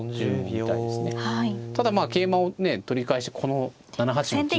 ただまあ桂馬を取り返してこの７八の金。